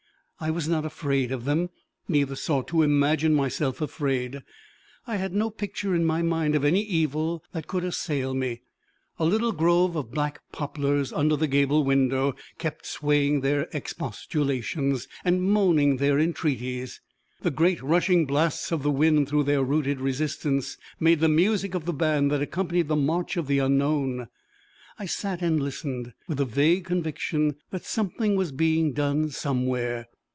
I was not afraid of them, neither sought to imagine myself afraid! I had no picture in my mind of any evil that could assail me. A little grove of black poplars under the gable window, kept swaying their expostulations, and moaning their entreaties. The great rushing blasts of the wind through their rooted resistance, made the music of the band that accompanied the march of the unknown. I sat and listened, with the vague conviction that something was being done somewhere.